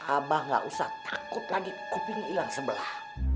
abah gak usah takut lagi kuping ilang sebelah